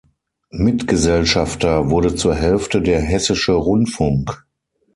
Mitgesellschafter wurde zur Hälfte der Hessische Rundfunk.